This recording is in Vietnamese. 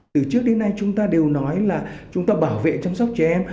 từ trước đến nay chúng ta đều nói là chúng ta bảo vệ chăm sóc trẻ em